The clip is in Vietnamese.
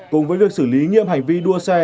cùng với việc xử lý nghiêm hành vi đua xe